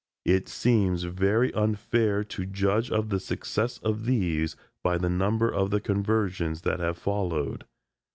It seems very unfair to judge of the success of these by the number of the conversions that have followed.